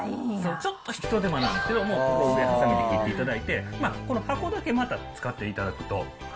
ちょっと一手間なんですけど、ここはさみで切っていただいて、この箱だけまた使っていただくと。